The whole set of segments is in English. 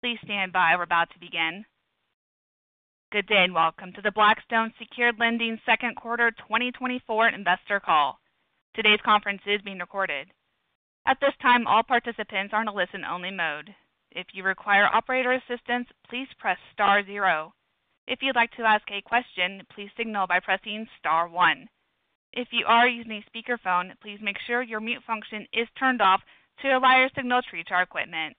Please stand by. We're about to begin. Good day, and welcome to the Blackstone Secured Lending second quarter 2024 investor call. Today's conference is being recorded. At this time, all participants are in a listen-only mode. If you require operator assistance, please press star zero. If you'd like to ask a question, please signal by pressing star one. If you are using a speakerphone, please make sure your mute function is turned off to allow your signal to reach our equipment.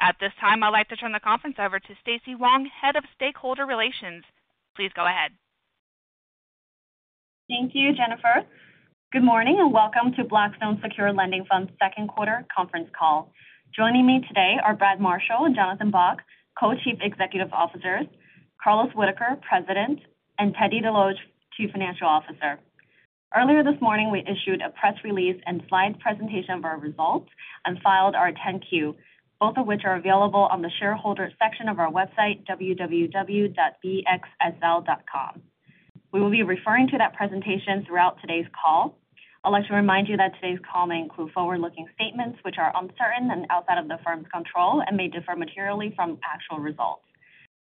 At this time, I'd like to turn the conference over to Stacy Wang, Head of Stakeholder Relations. Please go ahead. Thank you, Jennifer. Good morning, and welcome to Blackstone Secured Lending Fund's second quarter conference call. Joining me today are Brad Marshall and Jonathan Bock, Co-Chief Executive Officers, Carlos Whitaker, President, and Teddy Desloge, Chief Financial Officer. Earlier this morning, we issued a press release and slide presentation of our results and filed our 10-Q, both of which are available on the Shareholders section of our website, www.bxsl.com. We will be referring to that presentation throughout today's call. I'd like to remind you that today's call may include forward-looking statements which are uncertain and outside of the firm's control and may differ materially from actual results.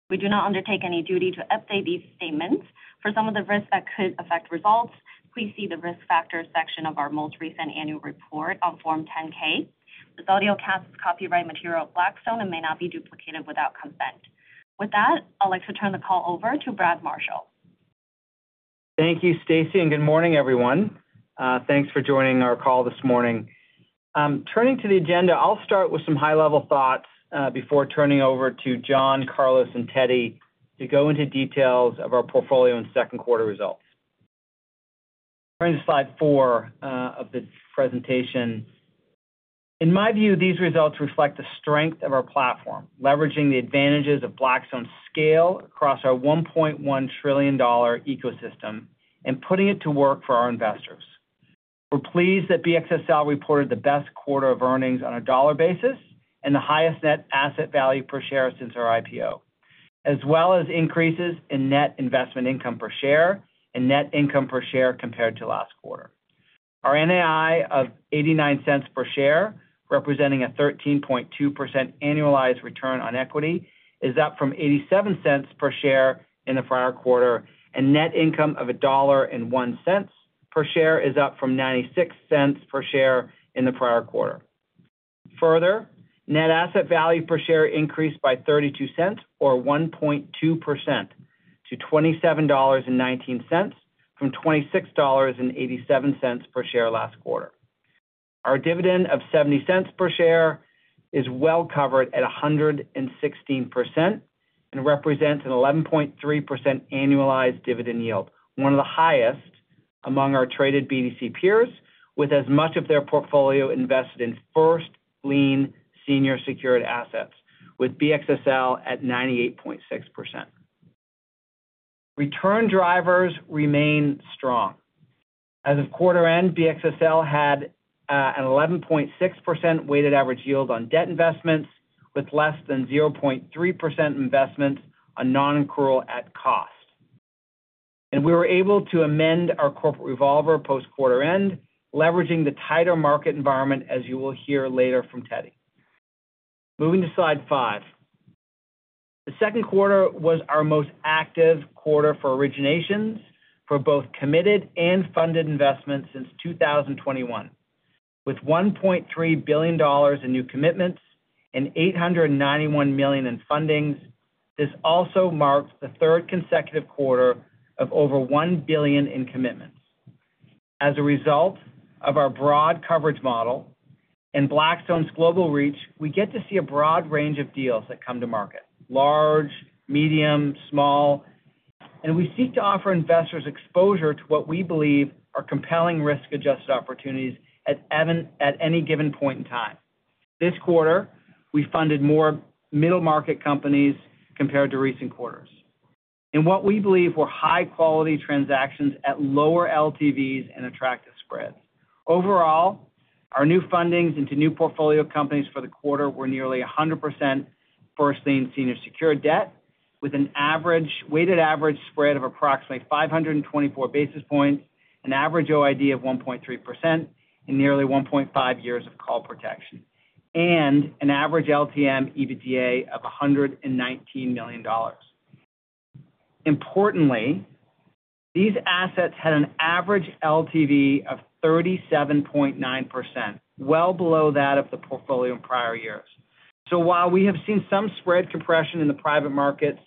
We do not undertake any duty to update these statements. For some of the risks that could affect results, please see the Risk Factors section of our most recent annual report on Form 10-K. This audio cast is copyright material of Blackstone and may not be duplicated without consent. With that, I'd like to turn the call over to Brad Marshall. Thank you, Stacy, and good morning, everyone. Thanks for joining our call this morning. Turning to the agenda, I'll start with some high-level thoughts, before turning over to John, Carlos and Teddy to go into details of our portfolio and second quarter results. Turning to slide 4 of the presentation. In my view, these results reflect the strength of our platform, leveraging the advantages of Blackstone's scale across our $1.1 trillion ecosystem and putting it to work for our investors. We're pleased that BXSL reported the best quarter of earnings on a dollar basis and the highest net asset value per share since our IPO, as well as increases in net investment income per share and net income per share compared to last quarter. Our NII of $0.89 per share, representing a 13.2% annualized return on equity, is up from $0.87 per share in the prior quarter, and net income of $1.01 per share is up from $0.96 per share in the prior quarter. Further, net asset value per share increased by $0.32 or 1.2% to $27.19, from $26.87 per share last quarter. Our dividend of $0.70 per share is well covered at 116% and represents an 11.3% annualized dividend yield, one of the highest among our traded BDC peers, with as much of their portfolio invested in first lien senior secured assets, with BXSL at 98.6%. Return drivers remain strong. As of quarter-end, BXSL had an 11.6% weighted average yield on debt investments, with less than 0.3% investments on nonaccrual at cost. We were able to amend our corporate revolver post-quarter-end, leveraging the tighter market environment, as you will hear later from Teddy. Moving to slide five. The second quarter was our most active quarter for originations for both committed and funded investments since 2021. With $1.3 billion in new commitments and $891 million in fundings, this also marks the third consecutive quarter of over $1 billion in commitments. As a result of our broad coverage model and Blackstone's global reach, we get to see a broad range of deals that come to market, large, medium, small, and we seek to offer investors exposure to what we believe are compelling risk-adjusted opportunities at any given point in time. This quarter, we funded more middle-market companies compared to recent quarters in what we believe were high-quality transactions at lower LTVs and attractive spreads. Overall, our new fundings into new portfolio companies for the quarter were nearly 100% first lien senior secured debt, with a weighted average spread of approximately 524 basis points, an average OID of 1.3% and nearly 1.5 years of call protection, and an average LTM EBITDA of $119 million. Importantly, these assets had an average LTV of 37.9%, well below that of the portfolio in prior years. So while we have seen some spread compression in the private markets,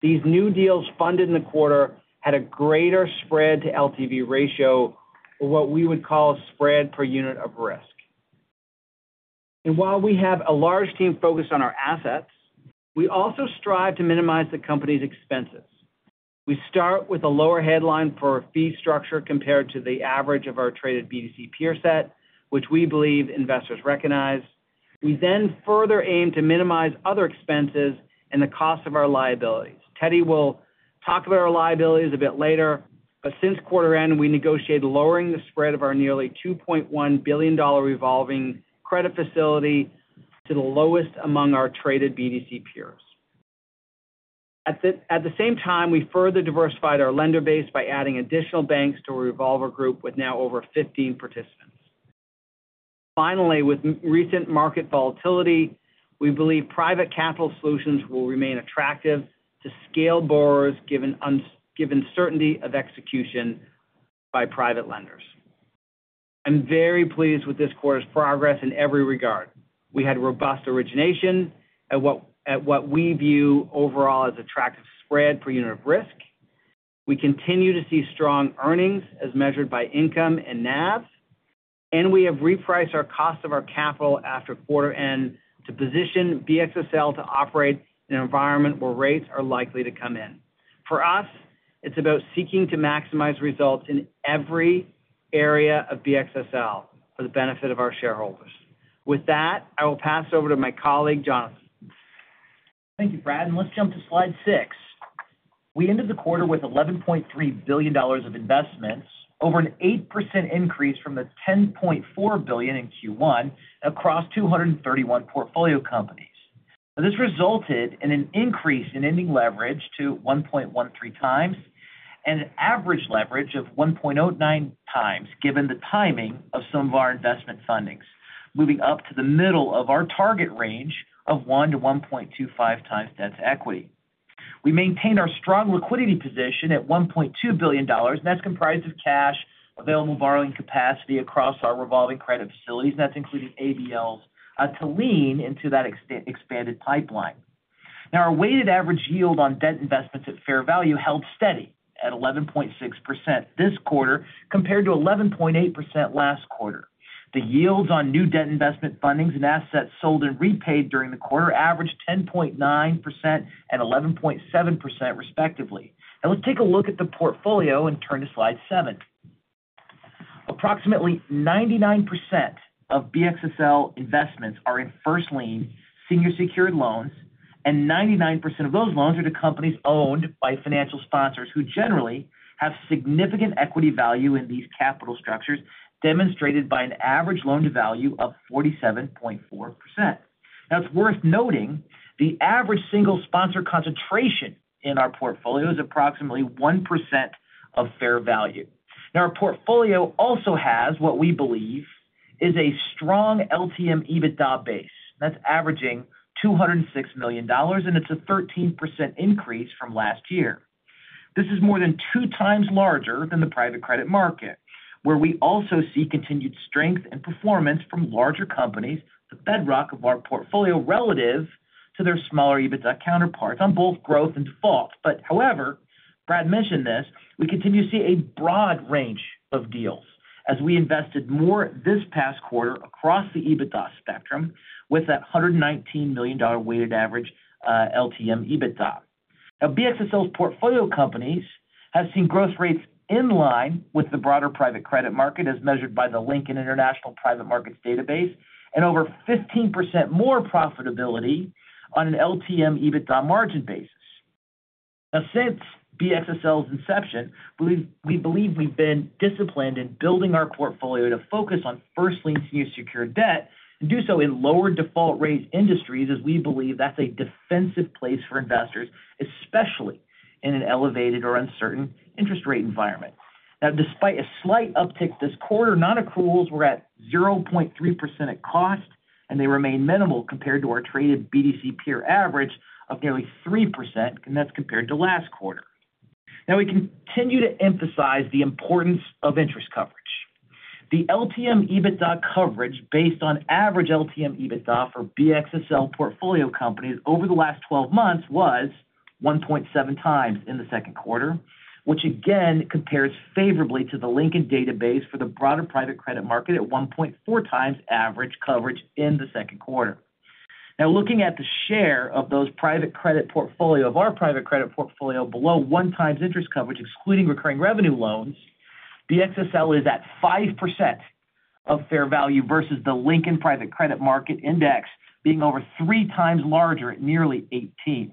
these new deals funded in the quarter had a greater spread to LTV ratio, or what we would call spread per unit of risk. And while we have a large team focused on our assets, we also strive to minimize the company's expenses. We start with a lower headline for our fee structure compared to the average of our traded BDC peer set, which we believe investors recognize. We then further aim to minimize other expenses and the cost of our liabilities. Teddy will talk about our liabilities a bit later, but since quarter end, we negotiated lowering the spread of our nearly $2.1 billion revolving credit facility to the lowest among our traded BDC peers. At the same time, we further diversified our lender base by adding additional banks to our revolver group, with now over 15 participants. Finally, with recent market volatility, we believe private capital solutions will remain attractive to scale borrowers, given certainty of execution by private lenders. I'm very pleased with this quarter's progress in every regard. We had robust origination at what we view overall as attractive spread per unit of risk. We continue to see strong earnings as measured by income and NAVs, and we have repriced our cost of capital after quarter end to position BXSL to operate in an environment where rates are likely to come in. For us, it's about seeking to maximize results in every area of BXSL for the benefit of our shareholders. With that, I will pass over to my colleague, Jonathan. Thank you, Brad, and let's jump to slide six. We ended the quarter with $11.3 billion of investments, over an 8% increase from the $10.4 billion in Q1, across 231 portfolio companies. Now, this resulted in an increase in ending leverage to 1.13 times and an average leverage of 1.09 times, given the timing of some of our investment fundings, moving up to the middle of our target range of 1-1.25 times debt to equity. We maintained our strong liquidity position at $1.2 billion, and that's comprised of cash, available borrowing capacity across our revolving credit facilities, and that's including ABLs, to lean into that expanded pipeline. Now, our weighted average yield on debt investments at fair value held steady at 11.6% this quarter, compared to 11.8% last quarter. The yields on new debt investment fundings and assets sold and repaid during the quarter averaged 10.9% and 11.7%, respectively. Now, let's take a look at the portfolio and turn to slide 7. Approximately 99% of BXSL investments are in first-lien, senior secured loans, and 99% of those loans are to companies owned by financial sponsors who generally have significant equity value in these capital structures, demonstrated by an average loan-to-value of 47.4%. Now, it's worth noting the average single sponsor concentration in our portfolio is approximately 1% of fair value. Now, our portfolio also has, what we believe, is a strong LTM EBITDA base that's averaging $206 million, and it's a 13% increase from last year. This is more than 2x larger than the private credit market, where we also see continued strength and performance from larger companies, the bedrock of our portfolio, relative to their smaller EBITDA counterparts on both growth and default. But however, Brad mentioned this, we continue to see a broad range of deals as we invested more this past quarter across the EBITDA spectrum with that $119 million weighted average, LTM EBITDA. Now, BXSL's portfolio companies have seen growth rates in line with the broader private credit market, as measured by the Lincoln International Private Market Database, and over 15% more profitability on an LTM EBITDA margin basis. Now, since BXSL's inception, we believe we've been disciplined in building our portfolio to focus on first lien senior secured debt and do so in lower default rate industries, as we believe that's a defensive place for investors, especially in an elevated or uncertain interest rate environment. Now, despite a slight uptick this quarter, nonaccruals were at 0.3% at cost, and they remain minimal compared to our traded BDC peer average of nearly 3%, and that's compared to last quarter. Now, we continue to emphasize the importance of interest coverage. The LTM EBITDA coverage, based on average LTM EBITDA for BXSL portfolio companies over the last 12 months, was 1.7 times in the second quarter, which again compares favorably to the Lincoln database for the broader private credit market at 1.4 times average coverage in the second quarter. Now, looking at the share of those private credit portfolio, of our private credit portfolio below 1x interest coverage, excluding recurring revenue loans, BXSL is at 5% of fair value versus the Lincoln Private Credit Market Index being over 3x larger at nearly 18.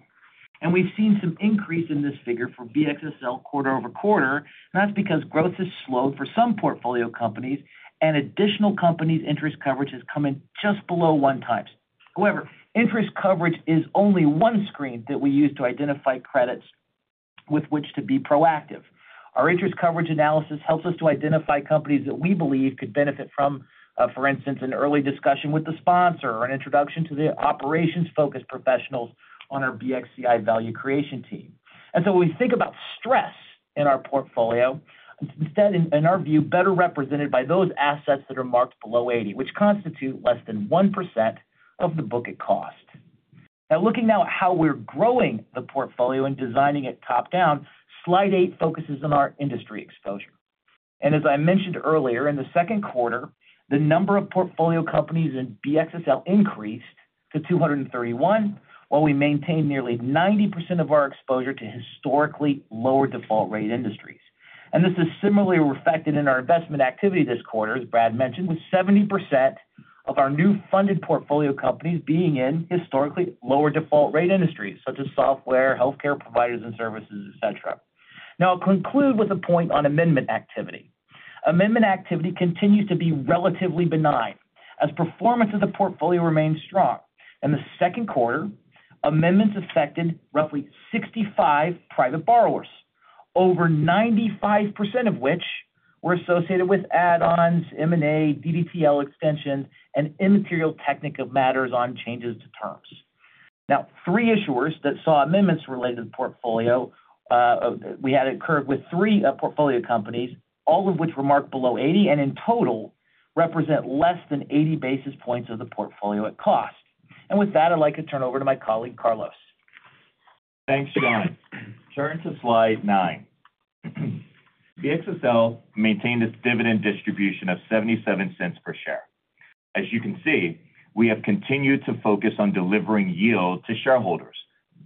We've seen some increase in this figure for BXSL quarter-over-quarter, and that's because growth has slowed for some portfolio companies and additional companies' interest coverage has come in just below 1x. However, interest coverage is only one screen that we use to identify credits with which to be proactive. Our interest coverage analysis helps us to identify companies that we believe could benefit from, for instance, an early discussion with the sponsor or an introduction to the operations-focused professionals on our BXCI Value Creation team. So when we think about stress in our portfolio, it's instead in our view better represented by those assets that are marked below 80, which constitute less than 1% of the book at cost. Now, looking at how we're growing the portfolio and designing it top-down, slide 8 focuses on our industry exposure. As I mentioned earlier, in the second quarter, the number of portfolio companies in BXSL increased to 231, while we maintained nearly 90% of our exposure to historically lower default rate industries. This is similarly reflected in our investment activity this quarter, as Brad mentioned, with 70% of our new funded portfolio companies being in historically lower default rate industries, such as software, healthcare providers and services, et cetera. Now, I'll conclude with a point on amendment activity.... Amendment activity continues to be relatively benign, as performance of the portfolio remains strong. In the second quarter, amendments affected roughly 65 private borrowers, over 95% of which were associated with add-ons, M&A, DDTL extensions, and immaterial technical matters on changes to terms. Now, three issuers that saw amendments related to the portfolio, we had it occur with three, portfolio companies, all of which were marked below 80, and in total, represent less than 80 basis points of the portfolio at cost. And with that, I'd like to turn it over to my colleague, Carlos. Thanks, John. Turn to slide 9. BXSL maintained its dividend distribution of $0.77 per share. As you can see, we have continued to focus on delivering yield to shareholders,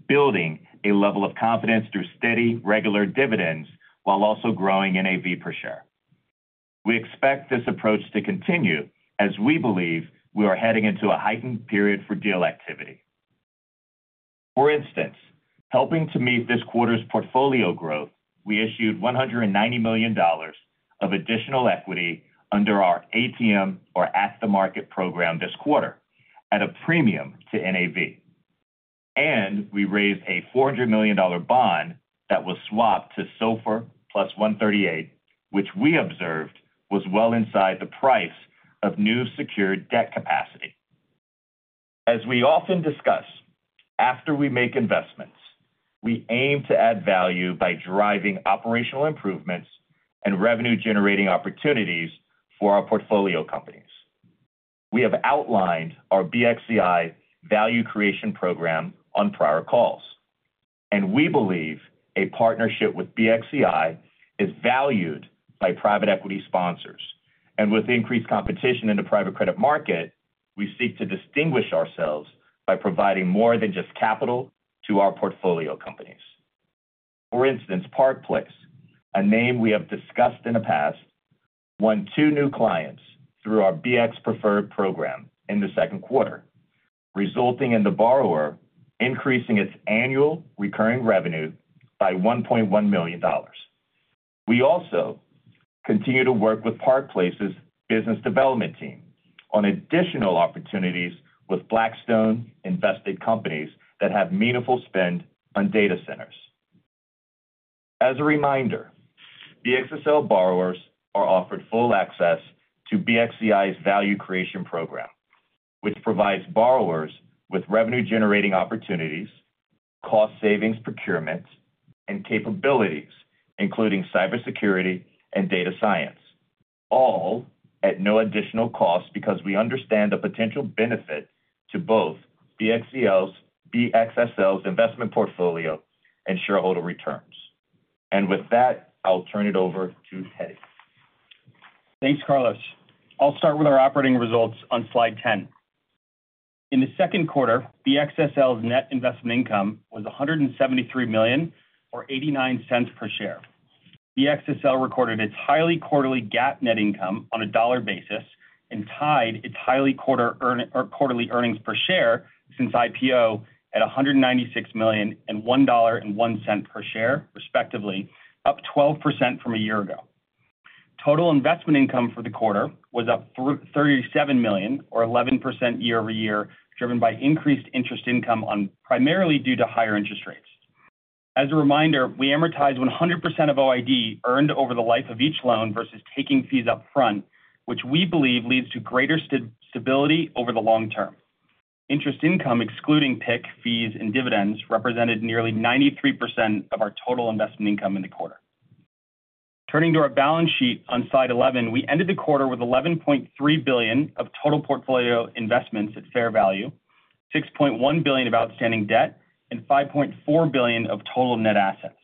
building a level of confidence through steady, regular dividends, while also growing NAV per share. We expect this approach to continue as we believe we are heading into a heightened period for deal activity. For instance, helping to meet this quarter's portfolio growth, we issued $190 million of additional equity under our ATM or At the Market program this quarter at a premium to NAV. And we raised a $400 million dollar bond that was swapped to SOFR plus 138, which we observed was well inside the price of new secured debt capacity. As we often discuss, after we make investments, we aim to add value by driving operational improvements and revenue-generating opportunities for our portfolio companies. We have outlined our BXCI value creation program on prior calls, and we believe a partnership with BXCI is valued by private equity sponsors. And with increased competition in the private credit market, we seek to distinguish ourselves by providing more than just capital to our portfolio companies. For instance, Park Place, a name we have discussed in the past, won two new clients through our BX Preferred program in the second quarter, resulting in the borrower increasing its annual recurring revenue by $1.1 million. We also continue to work with Park Place's business development team on additional opportunities with Blackstone-invested companies that have meaningful spend on data centers. As a reminder, BXSL borrowers are offered full access to BXCI's value creation program, which provides borrowers with revenue-generating opportunities, cost savings procurements, and capabilities, including cybersecurity and data science, all at no additional cost, because we understand the potential benefit to both BXSL's investment portfolio and shareholder returns. With that, I'll turn it over to Teddy. Thanks, Carlos. I'll start with our operating results on slide 10. In the second quarter, BXSL's net investment income was $173 million or $0.89 per share. BXSL recorded its highest quarterly GAAP net income on a dollar basis and tied its highest quarterly earnings per share since IPO at $196 million and $1.01 per share, respectively, up 12% from a year ago. Total investment income for the quarter was up $37 million or 11% year-over-year, driven by increased interest income primarily due to higher interest rates. As a reminder, we amortize 100% of OID earned over the life of each loan versus taking fees up front, which we believe leads to greater stability over the long term. Interest income, excluding PIK fees and dividends, represented nearly 93% of our total investment income in the quarter. Turning to our balance sheet on slide 11, we ended the quarter with $11.3 billion of total portfolio investments at fair value, $6.1 billion of outstanding debt, and $5.4 billion of total net assets.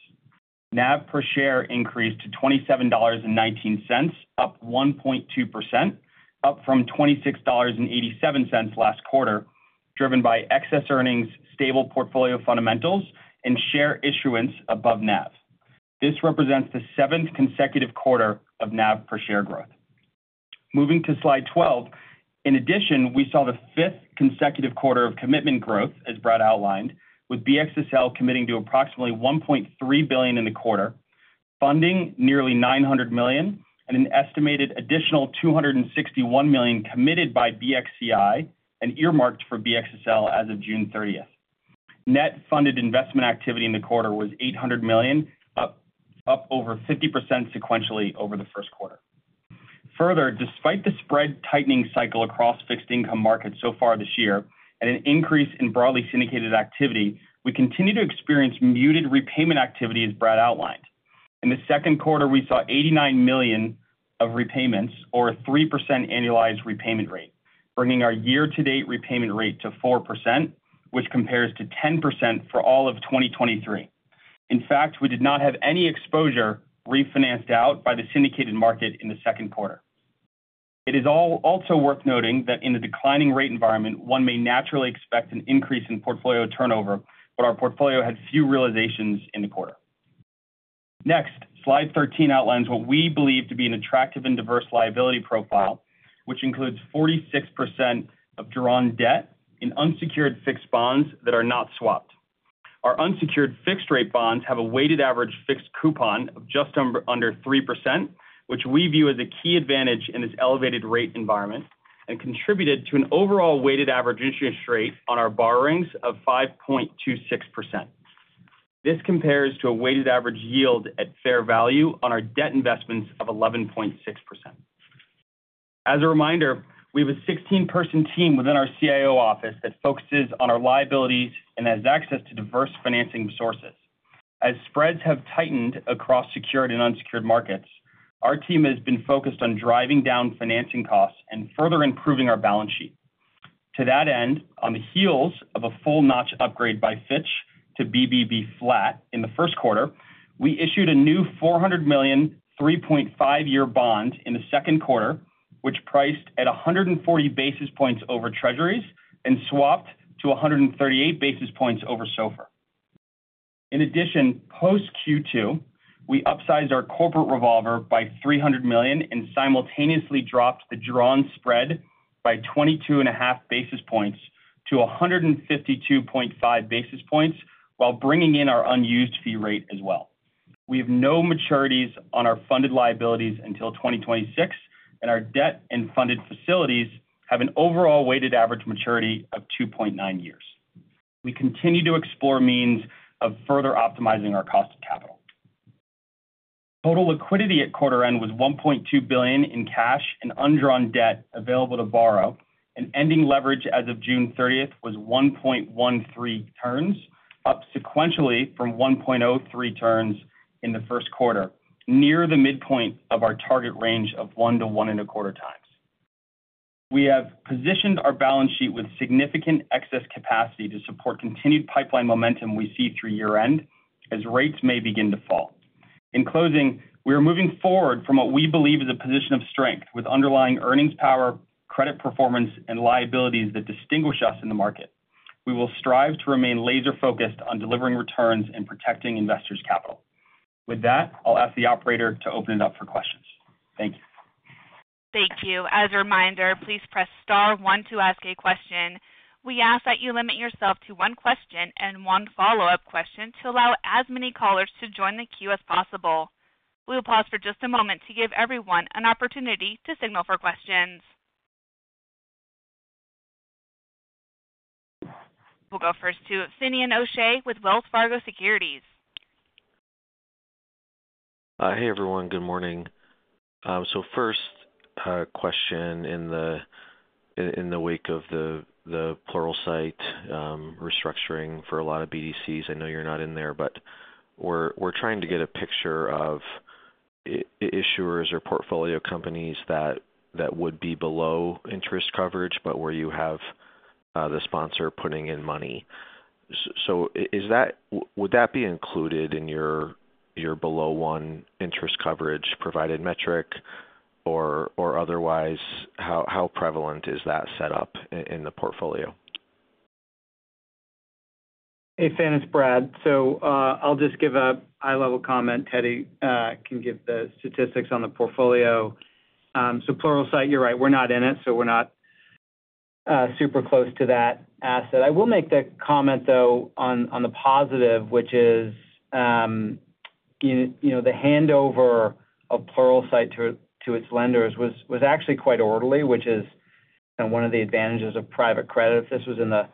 NAV per share increased to $27.19, up 1.2%, up from $26.87 last quarter, driven by excess earnings, stable portfolio fundamentals, and share issuance above NAV. This represents the seventh consecutive quarter of NAV per share growth. Moving to slide 12, in addition, we saw the fifth consecutive quarter of commitment growth, as Brad outlined, with BXSL committing to approximately $1.3 billion in the quarter, funding nearly $900 million, and an estimated additional $261 million committed by BXCI and earmarked for BXSL as of June 30. Net funded investment activity in the quarter was $800 million, up over 50% sequentially over the first quarter. Further, despite the spread tightening cycle across fixed income markets so far this year and an increase in broadly syndicated activity, we continue to experience muted repayment activity, as Brad outlined. In the second quarter, we saw $89 million of repayments or a 3% annualized repayment rate, bringing our year-to-date repayment rate to 4%, which compares to 10% for all of 2023. In fact, we did not have any exposure refinanced out by the syndicated market in the second quarter. It is also worth noting that in the declining rate environment, one may naturally expect an increase in portfolio turnover, but our portfolio had few realizations in the quarter. Next, slide 13 outlines what we believe to be an attractive and diverse liability profile, which includes 46% of drawn debt in unsecured fixed bonds that are not swapped. Our unsecured fixed-rate bonds have a weighted average fixed coupon of just under three percent, which we view as a key advantage in this elevated rate environment, and contributed to an overall weighted average interest rate on our borrowings of 5.26%. This compares to a weighted average yield at fair value on our debt investments of 11.6%. As a reminder, we have a 16-person team within our CIO office that focuses on our liabilities and has access to diverse financing sources. As spreads have tightened across secured and unsecured markets, our team has been focused on driving down financing costs and further improving our balance sheet. To that end, on the heels of a full-notch upgrade by Fitch to BBB flat in the first quarter, we issued a new $400 million, 3.5-year bond in the second quarter, which priced at 140 basis points over Treasuries and swapped to 138 basis points over SOFR. In addition, post Q2, we upsized our corporate revolver by $300 million and simultaneously dropped the drawn spread by 22.5 basis points to 152.5 basis points, while bringing in our unused fee rate as well. We have no maturities on our funded liabilities until 2026, and our debt and funded facilities have an overall weighted average maturity of 2.9 years. We continue to explore means of further optimizing our cost of capital. Total liquidity at quarter end was $1.2 billion in cash and undrawn debt available to borrow, and ending leverage as of June 30 was 1.13 turns, up sequentially from 1.03 turns in the first quarter, near the midpoint of our target range of 1-1.25 times. We have positioned our balance sheet with significant excess capacity to support continued pipeline momentum we see through year-end as rates may begin to fall. In closing, we are moving forward from what we believe is a position of strength, with underlying earnings power, credit performance, and liabilities that distinguish us in the market. We will strive to remain laser-focused on delivering returns and protecting investors' capital. With that, I'll ask the operator to open it up for questions. Thank you. Thank you. As a reminder, please press star one to ask a question. We ask that you limit yourself to one question and one follow-up question to allow as many callers to join the queue as possible. We will pause for just a moment to give everyone an opportunity to signal for questions. We'll go first to Finian O'Shea with Wells Fargo Securities. Hey, everyone. Good morning. So first, question in the wake of the Pluralsight restructuring for a lot of BDCs. I know you're not in there, but we're trying to get a picture of issuers or portfolio companies that would be below interest coverage, but where you have the sponsor putting in money. So, would that be included in your below one interest coverage provided metric, or otherwise, how prevalent is that set up in the portfolio? Hey, Finian, it's Brad. So, I'll just give a high-level comment. Teddy can give the statistics on the portfolio. So, Pluralsight, you're right, we're not in it, so we're not super close to that asset. I will make the comment, though, on the positive, which is, you know, the handover of Pluralsight to its lenders was actually quite orderly, which is kind of one of the advantages of private credit. If this was in the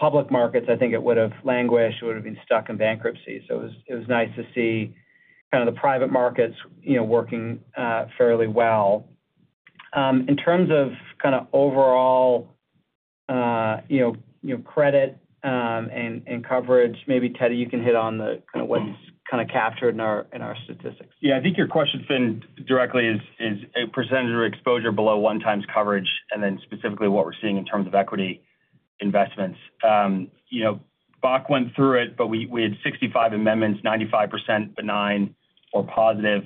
public markets, I think it would have languished; it would have been stuck in bankruptcy. So it was nice to see kind of the private markets, you know, working fairly well. In terms of kind of overall, you know, credit, and coverage, maybe, Teddy, you can hit on the kind of what's kind of captured in our statistics. Yeah, I think your question, Finian, directly is a percentage of exposure below 1x coverage, and then specifically what we're seeing in terms of equity investments. You know, Bock went through it, but we had 65 amendments, 95% benign or positive.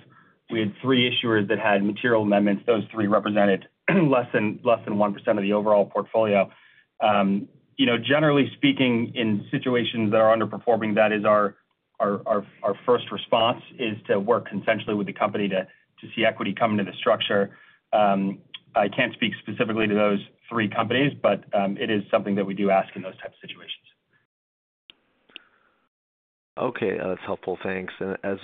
We had 3 issuers that had material amendments. Those 3 represented less than 1% of the overall portfolio. You know, generally speaking, in situations that are underperforming, that is our first response, to work consensually with the company to see equity come into the structure. I can't speak specifically to those 3 companies, but it is something that we do ask in those types of situations. Okay. That's helpful. Thanks. And as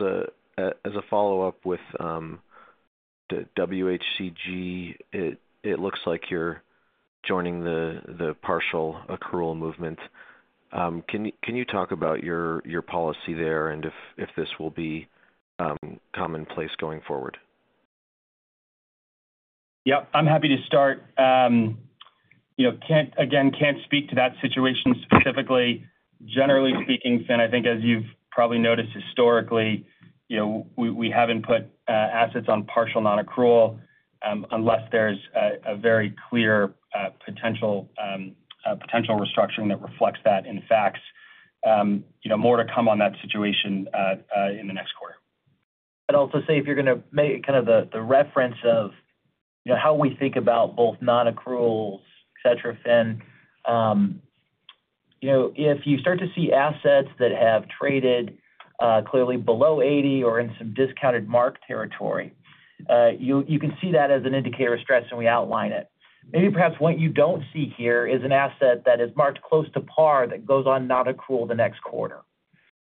a follow-up with the WCG, it looks like you're joining the partial accrual movement. Can you talk about your policy there, and if this will be commonplace going forward? Yep, I'm happy to start. You know, can't—again, can't speak to that situation specifically. Generally speaking, Finian, I think as you've probably noticed historically, you know, we haven't put assets on partial non-accrual unless there's a very clear potential restructuring that reflects that in fact. You know, more to come on that situation in the next quarter. I'd also say, if you're gonna make kind of the reference of, you know, how we think about both nonaccrual, et cetera, Finian. You know, if you start to see assets that have traded... clearly below 80 or in some discounted mark territory, you can see that as an indicator of stress, and we outline it. Maybe perhaps what you don't see here is an asset that is marked close to par that goes on nonaccrual the next quarter.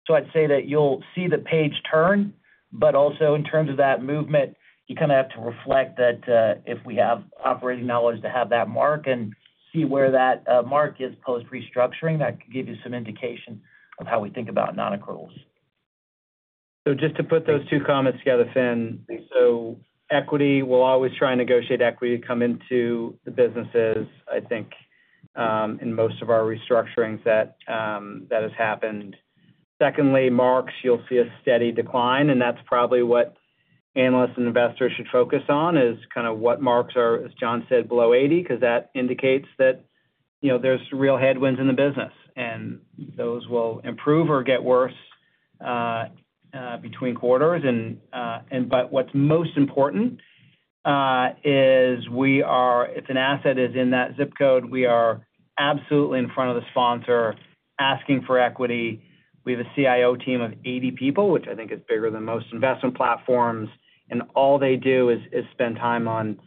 So I'd say that you'll see the page turn, but also in terms of that movement, you kinda have to reflect that, if we have operating knowledge to have that mark and see where that mark is post-restructuring, that could give you some indication of how we think about non-accruals. So just to put those two comments together, Finn. So equity, we'll always try and negotiate equity to come into the businesses. I think, in most of our restructurings that, that has happened. Secondly, marks, you'll see a steady decline, and that's probably what analysts and investors should focus on, is kind of what marks are, as John said, below 80, 'cause that indicates that, you know, there's real headwinds in the business, and those will improve or get worse, between quarters. And, and but what's most important, is we are-- if an asset is in that ZIP code, we are absolutely in front of the sponsor asking for equity. We have a CIO team of 80 people, which I think is bigger than most investment platforms, and all they do is spend time on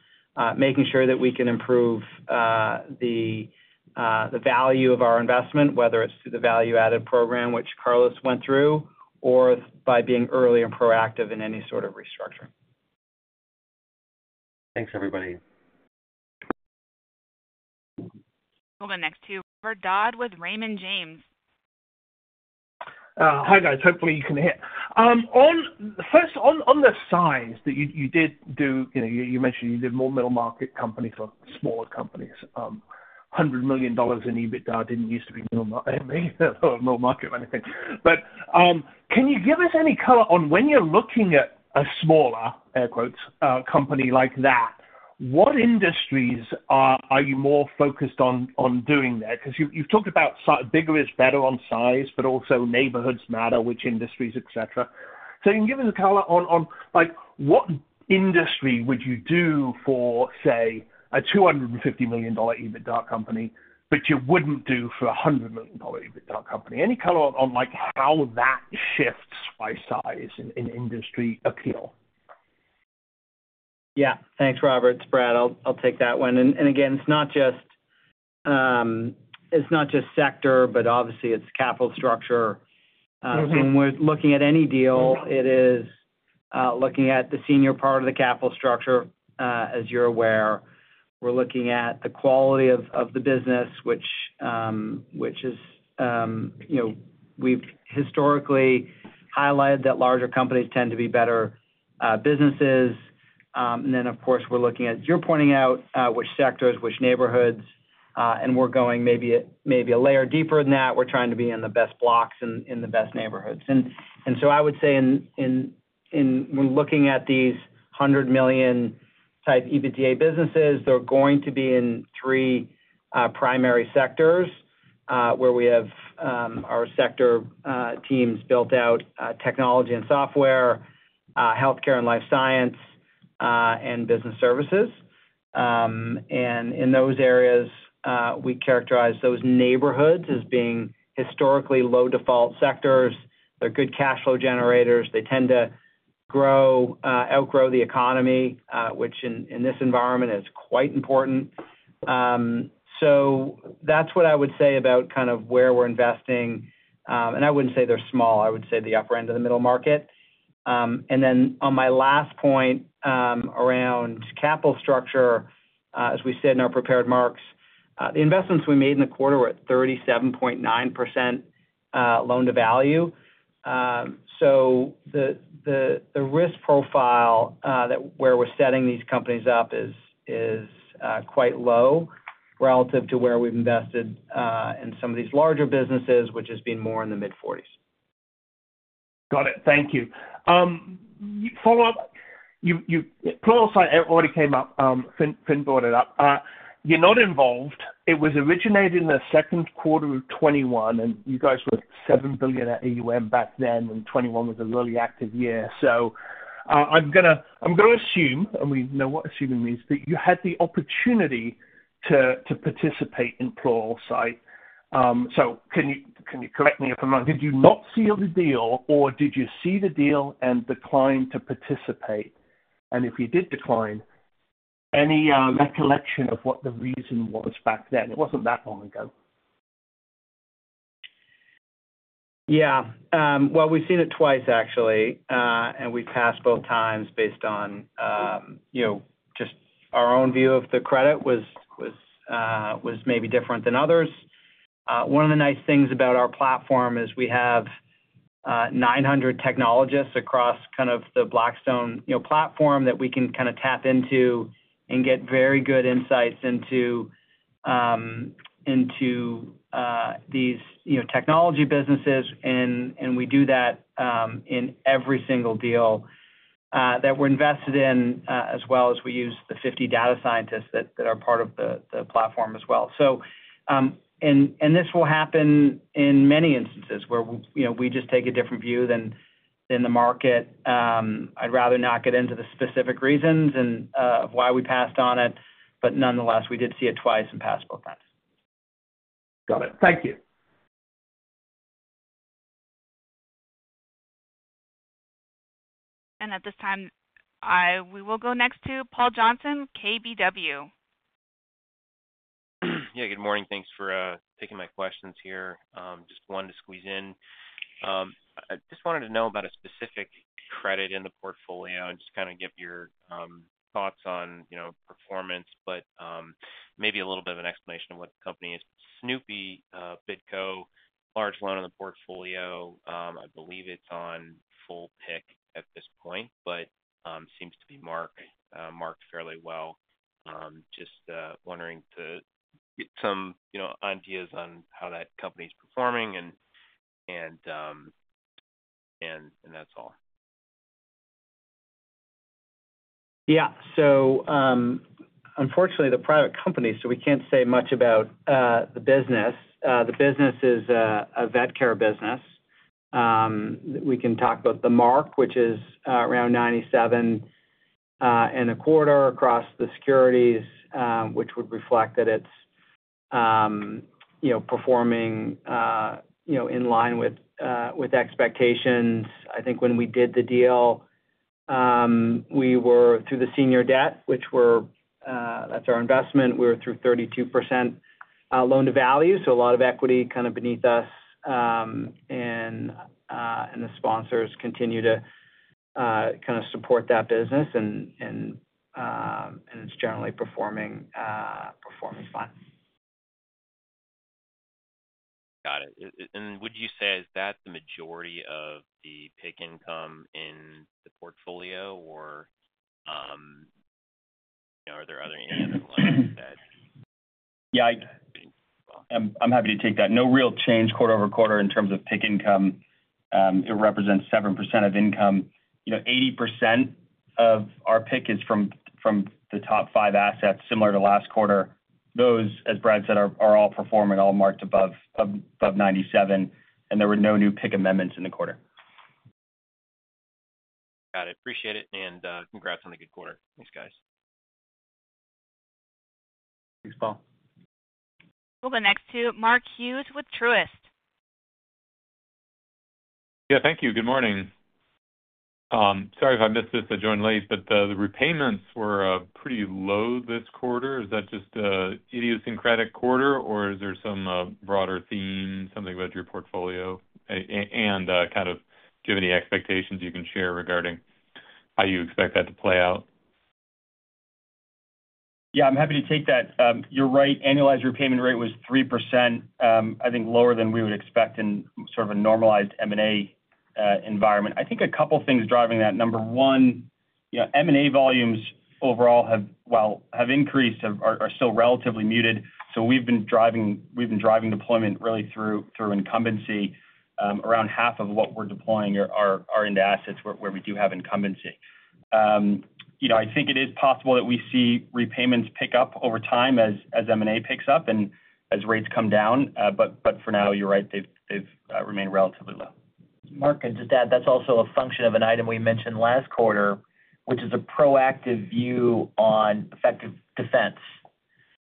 making sure that we can improve the value of our investment, whether it's through the value-added program, which Carlos went through, or by being early and proactive in any sort of restructuring. Thanks, everybody. We'll go next to Robert Dodd with Raymond James. Hi, guys. Hopefully you can hear. First, on the size that you did do, you know, you mentioned you did more middle market companies or smaller companies. $100 million in EBITDA didn't used to be middle market or anything. But, can you give us any color on when you're looking at a smaller, air quotes, company like that, what industries are you more focused on doing there? 'Cause you, you've talked about bigger is better on size, but also neighborhoods matter, which industries, et cetera. So can you give us a color on, like, what industry would you do for, say, a $250 million EBITDA company, but you wouldn't do for a $100 million EBITDA company? Any color on, like, how that shifts by size in industry appeal? Yeah. Thanks, Robert. It's Brad. I'll take that one. And again, it's not just sector, but obviously it's capital structure. Mm-hmm. When we're looking at any deal, it is looking at the senior part of the capital structure, as you're aware. We're looking at the quality of the business, which is, you know, we've historically highlighted that larger companies tend to be better businesses. And then, of course, we're looking at, as you're pointing out, which sectors, which neighborhoods, and we're going maybe a layer deeper than that. We're trying to be in the best blocks and in the best neighborhoods. And so I would say in when looking at these 100 million type EBITDA businesses, they're going to be in three primary sectors, where we have our sector teams built out, technology and software, healthcare and life science, and business services. And in those areas, we characterize those neighborhoods as being historically low default sectors. They're good cash flow generators. They tend to outgrow the economy, which in this environment is quite important. So that's what I would say about kind of where we're investing. And I wouldn't say they're small, I would say the upper end of the middle market. And then on my last point, around capital structure, as we said in our prepared remarks, the investments we made in the quarter were at 37.9%, loan-to-value. So the risk profile that where we're setting these companies up is quite low relative to where we've invested in some of these larger businesses, which has been more in the mid-40s%. Got it. Thank you. Follow-up, you, Pluralsight, it already came up, Finn brought it up. You're not involved. It was originated in the second quarter of 2021, and you guys were $7 billion at AUM back then, and 2021 was a really active year. So, I'm gonna assume, and we know what assuming means, that you had the opportunity to participate in Pluralsight. So can you correct me if I'm wrong? Did you not seal the deal, or did you see the deal and decline to participate? And if you did decline, any recollection of what the reason was back then? It wasn't that long ago. Yeah. Well, we've seen it twice, actually, and we passed both times based on, you know, just our own view of the credit was maybe different than others. One of the nice things about our platform is we have 900 technologists across kind of the Blackstone, you know, platform that we can kinda tap into and get very good insights into these, you know, technology businesses. And we do that in every single deal that we're invested in as well as we use the 50 data scientists that are part of the platform as well. This will happen in many instances where you know, we just take a different view than the market. I'd rather not get into the specific reasons and of why we passed on it, but nonetheless, we did see it twice and passed both times.... Got it. Thank you. At this time, we will go next to Paul Johnson, KBW. Yeah, good morning. Thanks for taking my questions here. Just wanted to squeeze in. I just wanted to know about a specific credit in the portfolio and just kind of get your thoughts on, you know, performance, but maybe a little bit of an explanation of what the company is. Snoopy Bidco, large loan in the portfolio. I believe it's on full PIK at this point, but seems to be marked marked fairly well. Just wondering to get some, you know, ideas on how that company is performing and that's all. Yeah. So, unfortunately, they're a private company, so we can't say much about the business. The business is a vet care business. We can talk about the mark, which is around 97.25 across the securities, which would reflect that it's, you know, performing, you know, in line with expectations. I think when we did the deal, we were through the senior debt, which we're—that's our investment. We're through 32% loan-to-value, so a lot of equity kind of beneath us. And the sponsors continue to kind of support that business, and it's generally performing fine. Got it. And would you say, is that the majority of the PIK income in the portfolio or, you know, are there other loans that- Yeah, I'm happy to take that. No real change quarter-over-quarter in terms of PIK income. It represents 7% of income. You know, 80% of our PIK is from the top five assets, similar to last quarter. Those, as Brad said, are all performing, all marked above 97, and there were no new PIK amendments in the quarter. Got it. Appreciate it, and, congrats on a good quarter. Thanks, guys. Thanks, Paul. We'll go next to Mark Hughes with Truist. Yeah, thank you. Good morning. Sorry if I missed this, I joined late, but the repayments were pretty low this quarter. Is that just an idiosyncratic quarter, or is there some broader theme, something about your portfolio? And kind of, do you have any expectations you can share regarding how you expect that to play out? Yeah, I'm happy to take that. You're right, annualized repayment rate was 3%, I think lower than we would expect in sort of a normalized M&A environment. I think a couple things driving that. Number one, you know, M&A volumes overall have increased, while they are still relatively muted. So we've been driving deployment really through incumbency. Around half of what we're deploying are into assets where we do have incumbency. You know, I think it is possible that we see repayments pick up over time as M&A picks up and as rates come down. But for now, you're right, they've remained relatively low. Mark, and to add, that's also a function of an item we mentioned last quarter, which is a proactive view on effective defense.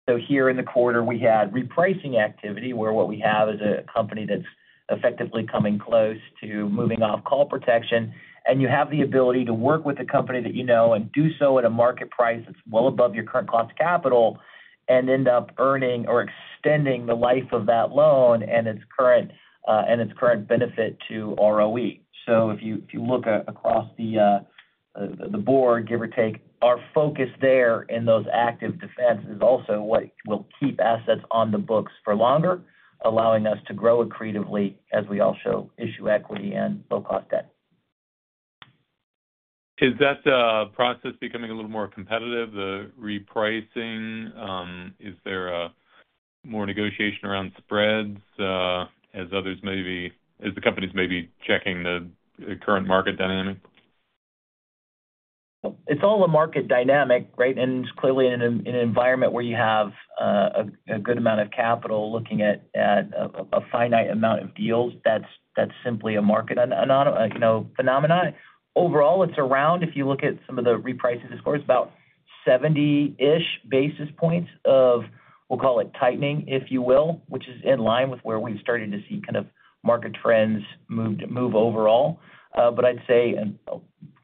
So here in the quarter, we had repricing activity, where what we have is a company that's effectively coming close to moving off call protection, and you have the ability to work with a company that you know and do so at a market price that's well above your current cost of capital, and end up earning or extending the life of that loan and its current benefit to ROE. So if you, if you look across the board, give or take, our focus there in those active defenses is also what will keep assets on the books for longer, allowing us to grow accretively as we also issue equity and low-cost debt. Is that process becoming a little more competitive, the repricing? Is there more negotiation around spreads, as the companies may be checking the current market dynamic? It's all a market dynamic, right? And clearly in an environment where you have a good amount of capital looking at a finite amount of deals, that's simply a market phenomenon, you know. Overall, it's around, if you look at some of the repricing scores, about 70-ish basis points of, we'll call it tightening, if you will, which is in line with where we've started to see kind of market trends move overall. But I'd say, and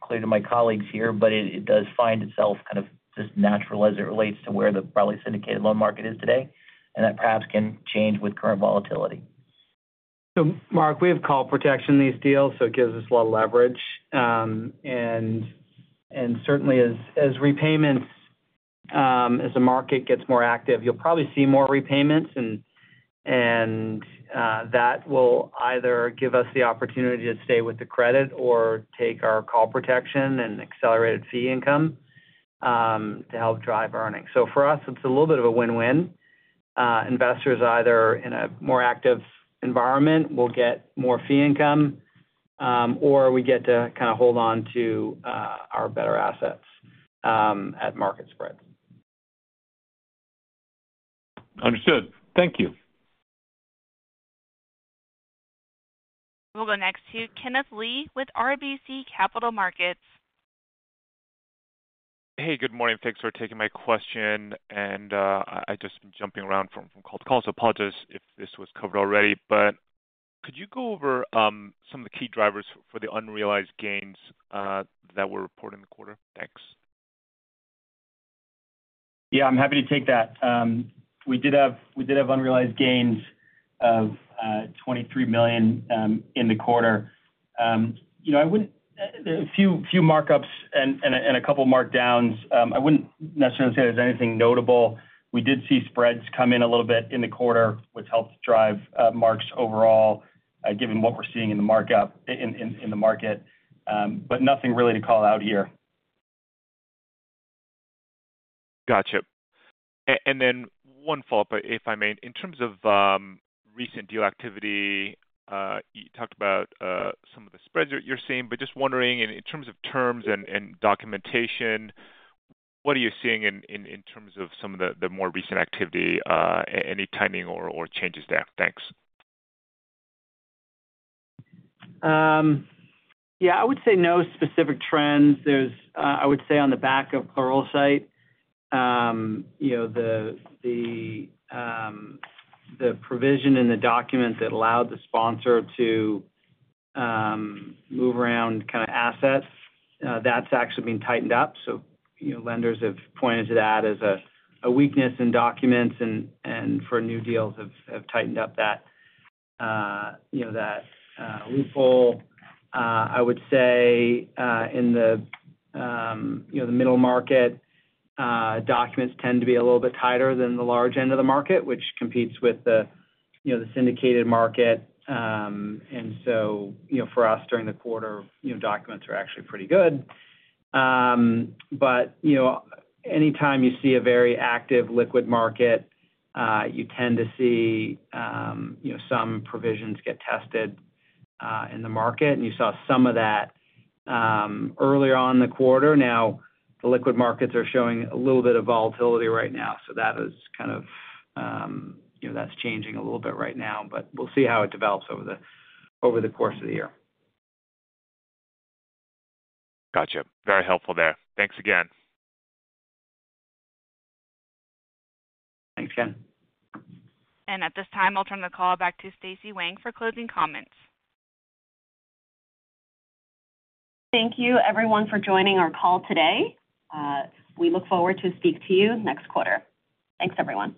clear to my colleagues here, but it does find itself kind of just natural as it relates to where the broadly syndicated loan market is today, and that perhaps can change with current volatility. So Mark, we have call protection in these deals, so it gives us a lot of leverage. Certainly, as repayments, as the market gets more active, you'll probably see more repayments and that will either give us the opportunity to stay with the credit or take our call protection and accelerated fee income to help drive earnings. So for us, it's a little bit of a win-win. Investors either in a more active environment will get more fee income or we get to kind of hold on to our better assets at market spreads. Understood. Thank you. ...We'll go next to Kenneth Lee with RBC Capital Markets. Hey, good morning. Thanks for taking my question, and I’ve just been jumping around from call to call, so apologies if this was covered already. But could you go over some of the key drivers for the unrealized gains that were reported in the quarter? Thanks. Yeah, I'm happy to take that. We did have unrealized gains of $23 million in the quarter. You know, I wouldn't— a few markups and a couple markdowns. I wouldn't necessarily say there's anything notable. We did see spreads come in a little bit in the quarter, which helped drive marks overall, given what we're seeing in the markup in the market. But nothing really to call out here. Gotcha. And then one follow-up, if I may. In terms of recent deal activity, you talked about some of the spreads you're seeing, but just wondering, in terms of terms and documentation, what are you seeing in terms of some of the more recent activity, any timing or changes there? Thanks. Yeah, I would say no specific trends. There's, I would say on the back of Pluralsight, you know, the provision in the documents that allowed the sponsor to move around kind of assets, that's actually been tightened up. So, you know, lenders have pointed to that as a weakness in documents and for new deals have tightened up that, you know, that loophole. I would say in the middle market, documents tend to be a little bit tighter than the large end of the market, which competes with the syndicated market. And so, you know, for us during the quarter, you know, documents are actually pretty good. But, you know, anytime you see a very active liquid market, you tend to see, you know, some provisions get tested, in the market, and you saw some of that, earlier on in the quarter. Now, the liquid markets are showing a little bit of volatility right now, so that is kind of, you know, that's changing a little bit right now, but we'll see how it develops over the course of the year. Gotcha. Very helpful there. Thanks again. Thanks, Ken. At this time, I'll turn the call back to Stacy Wang for closing comments. Thank you, everyone, for joining our call today. We look forward to speak to you next quarter. Thanks, everyone.